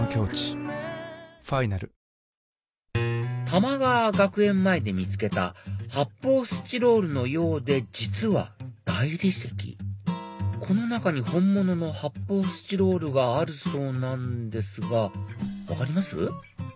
玉川学園前で見つけた発泡スチロールのようで実は大理石この中に本物の発泡スチロールがあるそうなんですが分かります？